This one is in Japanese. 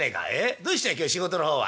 どうしたい今日仕事の方は」。